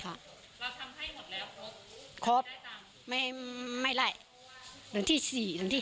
ทำให้หมดแล้วครับครอบไม่ไม่ไหลหลังที่๔หลังที่๕